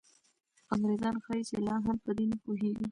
انګریزان ښایي چې لا هم په دې نه پوهېږي.